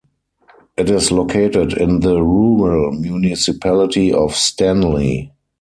It is located in the Rural Municipality of Stanley.